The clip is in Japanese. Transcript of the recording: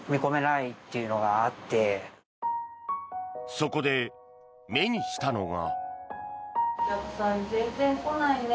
そこで目にしたのが。